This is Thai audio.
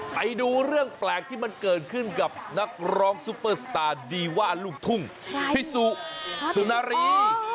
ไปดูเรื่องแปลกที่มันเกิดขึ้นกับนักร้องซุปเปอร์สตาร์ดีว่าลูกทุ่งพี่สุสุนารี